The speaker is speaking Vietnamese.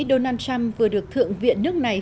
donald trump vừa được thượng viện nước này